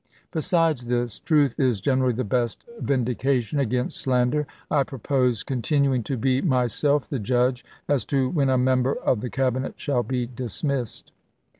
Besides this, truth is generally the best vin dication against slander. I propose continuing to toLstanton, be my self the judge as to when a member of the i8e"!yMs. Cabinet shall be dismissed."